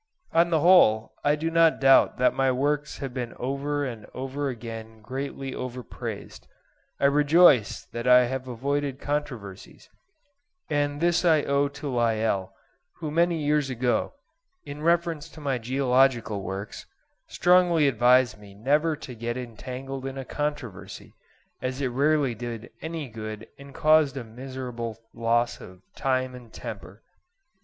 On the whole I do not doubt that my works have been over and over again greatly overpraised. I rejoice that I have avoided controversies, and this I owe to Lyell, who many years ago, in reference to my geological works, strongly advised me never to get entangled in a controversy, as it rarely did any good and caused a miserable loss of time and temper.